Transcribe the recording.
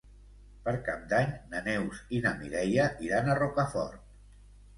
Per Cap d'Any na Neus i na Mireia iran a Rocafort.